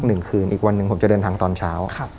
หนึ่งคืนอีกวันหนึ่งผมจะเดินทางตอนเช้า